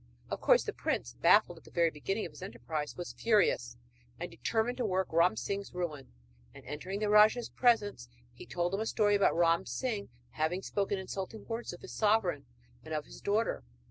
Of course the prince, baffled at the very beginning of his enterprise, was furious, and determined to work Ram Singh's ruin, and entering the rajah's presence he told him a story about Ram Singh having spoken insulting words of his sovereign and of his daughter.